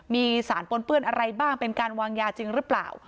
มีสารปนเปื้อนอะไรบ้างเป็นการวางยาจริงหรือเปล่า